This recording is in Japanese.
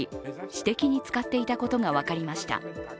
私的に使っていたことが分かりました。